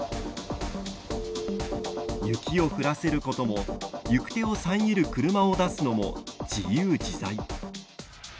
雪を降らせることも行く手を遮る車を出すのも自由自在。